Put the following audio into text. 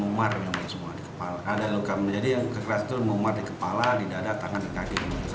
ada luka jadi yang kekerasan itu memaruhi kepala lidah tangan dan kaki